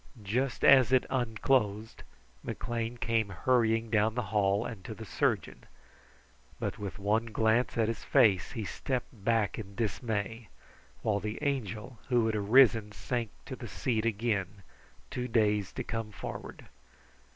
Just as it unclosed, McLean came hurrying down the hall and to the surgeon, but with one glance at his face he stepped back in dismay; while the Angel, who had arisen, sank to the seat again, too dazed to come forward.